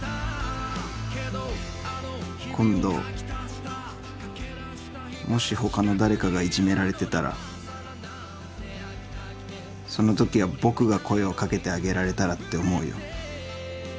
今度もし他の誰かがいじめられてたらそのときは僕が声を掛けてあげられたらって思うよ。